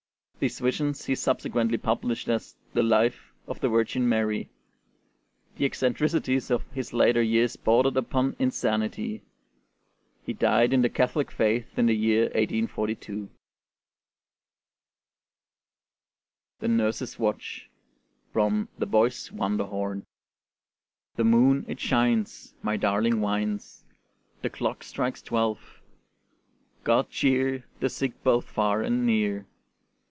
These visions he subsequently published as the 'Life of the Virgin Mary.' The eccentricities of his later years bordered upon insanity. He died in the Catholic faith in the year 1842. THE NURSE'S WATCH From 'The Boy's Wonderhorn' The moon it shines, My darling whines; The clock strikes twelve: God cheer The sick both far and near.